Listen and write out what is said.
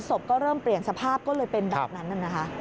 ศพก็เริ่มเปลี่ยนสภาพก็เลยเป็นแบบนั้นนะคะ